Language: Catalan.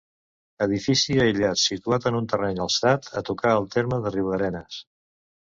Edifici aïllat, situat en un terreny alçat, a tocar el terme de Riudarenes.